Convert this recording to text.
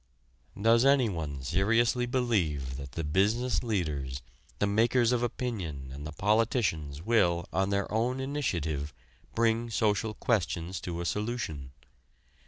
Does anyone seriously believe that the business leaders, the makers of opinion and the politicians will, on their own initiative, bring social questions to a solution?